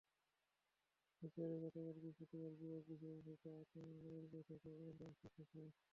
সচিবালয়ে গতকাল বৃহস্পতিবার যুবক বিষয়ে অনুষ্ঠিত আন্তমন্ত্রণালয়ের বৈঠকে এমন পরামর্শ এসেছে।